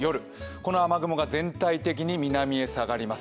この雨雲が全体的に南へ下がります。